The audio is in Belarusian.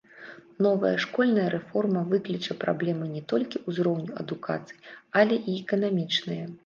Новая школьная рэформа выкліча праблемы не толькі ўзроўню адукацыі, але і эканамічныя.